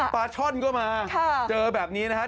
ปลาช่อนก็มาเจอแบบนี้นะครับ